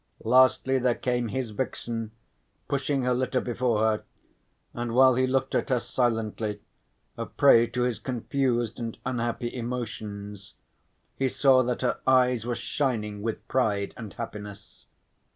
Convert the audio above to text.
Lastly there came his vixen pushing her litter before her, and while he looked at her silently, a prey to his confused and unhappy emotions, he saw that her eyes were shining with pride and happiness.